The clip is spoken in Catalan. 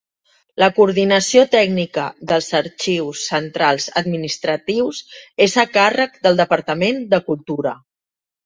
La coordinació tècnica dels Arxius Centrals administratius és a càrrec del Departament de Cultura.